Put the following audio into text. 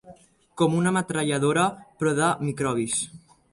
Com una metralladora però de microbis.